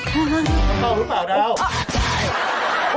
เป้ารู้เปล่าแล้ว